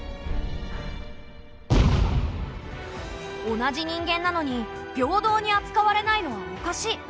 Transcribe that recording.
同じ人間なのに平等にあつかわれないのはおかしい。